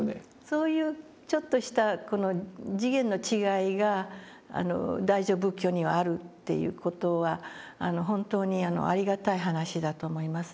そういうちょっとしたこの次元の違いが大乗仏教にはあるっていう事は本当にありがたい話だと思いますね。